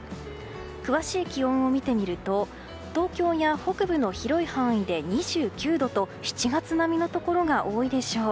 詳しい気温を見てみると東京や北部の広い範囲で２９度と、７月並みのところが多いでしょう。